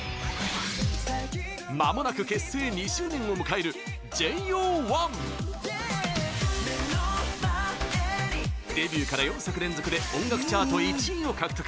まもなく結成２周年を迎えるＪＯ１！デビューから４作連続で音楽チャート１位を獲得。